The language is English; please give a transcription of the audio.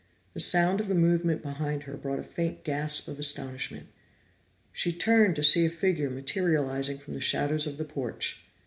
The sound of a movement behind her brought a faint gasp of astonishment. She turned to see a figure materializing from the shadows of the porch.